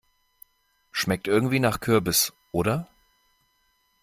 Schmeckt irgendwie nach Kürbis, oder?